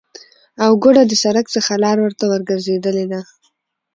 او گوډه د سرک څخه لار ورته ورگرځیدلې ده،